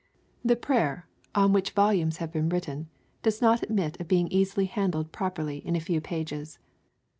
The prayer, on which vol umes have been written, does not admit of being han dled properly in a few pages.